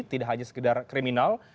tidak hanya sekedar kriminal